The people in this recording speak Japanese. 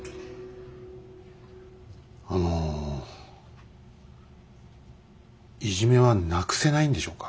あのいじめはなくせないんでしょうか。